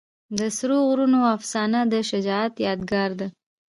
د سرو غرونو افسانه د شجاعت یادګار ده.